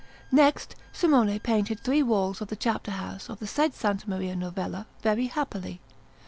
Next, Simone painted three walls of the Chapter house of the said S. Maria Novella, very happily.